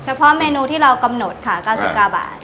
เพาะเมนูที่เรากำหนดค่ะ๙๙บาท